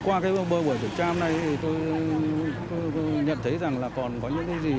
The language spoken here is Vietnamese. qua cái bơ bởi thủy trang này thì tôi nhận thấy rằng là còn có những cái gì